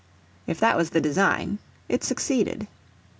If that was the design, it succeeded.